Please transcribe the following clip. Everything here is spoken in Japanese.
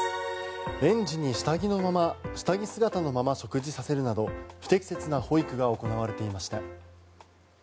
園児に下着姿のまま食事させるなど不適切な保育が行われていました。